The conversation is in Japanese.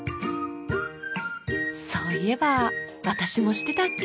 そういえば私もしてたっけ。